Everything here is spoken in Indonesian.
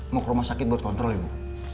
mau ke rumah sakit buat kontrol ya bu